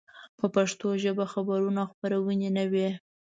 په پښتو ژبه خبرونه او خپرونې نه وې.